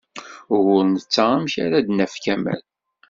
Ugur netta amek ara d-naf Kamal.